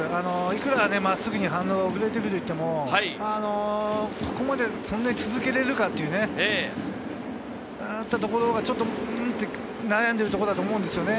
幾ら真っすぐに反応が遅れているといっても、ここまでそんなに続けれるかという、そういったところが悩んでいるところだと思うんですね。